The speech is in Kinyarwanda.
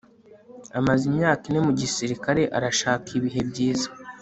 Amaze imyaka ine mu gisirikare arashaka ibihe byiza